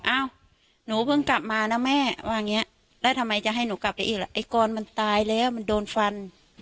อ้าวหนูเพิ่งกลับมานะแม่ว่าอย่างนี้แล้วทำไมจะให้หนูกลับไปอีกล่ะไอ้กรมันตายแล้วมันโดนฟัน